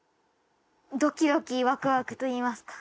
ドキドキワクワクといいますか。